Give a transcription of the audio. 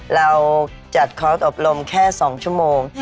เราจัดเคาะอบรมแค่๒ชั่วโมง